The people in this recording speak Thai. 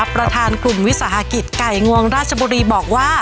ประธานคลุงวิทยาศาสตร์ศอาคิตไก่งวงราชบุรีบอกว่า